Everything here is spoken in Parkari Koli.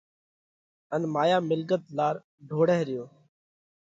ان مايا ملڳت لار ڍوڙئھ ريو۔